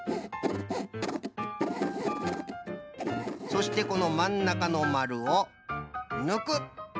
そしてこのまんなかのまるをぬく。